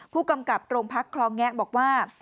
ผู้กำกับโรงพักคลองแงะบอกว่า